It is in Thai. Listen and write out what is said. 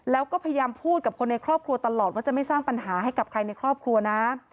แล้วก็พยายามพูดกับคนในครอบครัวตลอดว่าจะไม่สร้างปัญหาให้กับใครในครอบครัวนะ